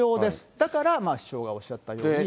だから市長がおっしゃったように。